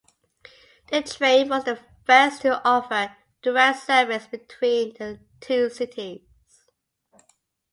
The train was the first to offer direct service between the two cities.